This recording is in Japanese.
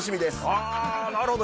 あぁなるほど！